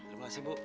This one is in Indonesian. terima kasih bu